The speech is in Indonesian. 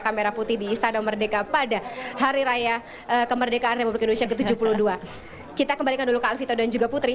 kamera putih di istana merdeka pada hari raya kemerdekaan indonesia ke tujuh puluh dua kita kembalikan